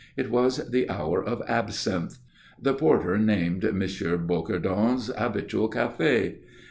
It was the hour of absinthe. The porter named M. Bocardon's habitual café.